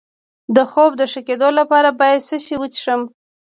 د خوب د ښه کیدو لپاره باید څه شی وڅښم؟